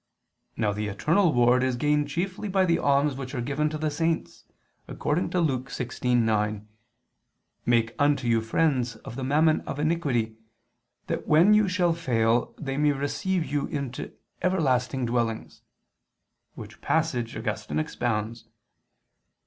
Now the eternal reward is gained chiefly by the alms which are given to the saints, according to Luke 16:9: "Make unto you friends of the mammon of iniquity, that when you shall fail, they may receive you into everlasting dwellings," which passage Augustine expounds (De Verb.